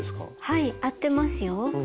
はい合ってますよ。